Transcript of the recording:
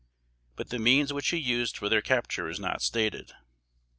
But the means which he used for their capture is not stated.